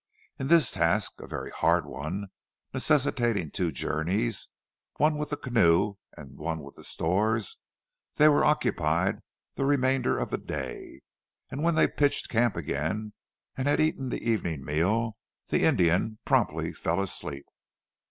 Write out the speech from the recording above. In this task, a very hard one, necessitating two journeys, one with the canoe and one with the stores, they were occupied the remainder of the day, and when they pitched camp again and had eaten the evening meal, the Indian promptly fell asleep.